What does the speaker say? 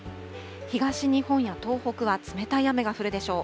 東日本や東北は冷たい雨が降るでしょう。